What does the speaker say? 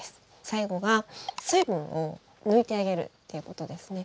最後が水分を抜いてあげるっていうことですね。